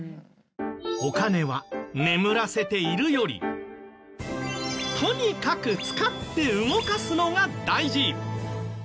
お金は眠らせているよりとにかく使って動かすのが大事！